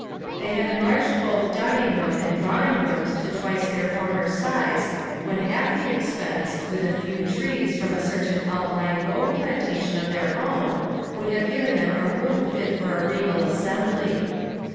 They had enlarged both dining room and drawing rooms to twice their former size, when half the expense, with a few trees from a certain outlying oak plantation of their own, would have given them a room fit for a regal assembly.